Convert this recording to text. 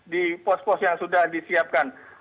di pos pos yang sudah disiapkan